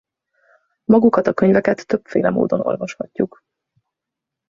Magukat a könyveket többféle módon olvashatjuk.